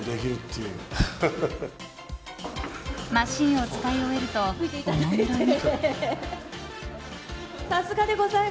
マシンを使い終えるとおもむろに。